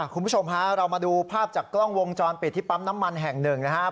คุณผู้ชมฮะเรามาดูภาพจากกล้องวงจรปิดที่ปั๊มน้ำมันแห่งหนึ่งนะครับ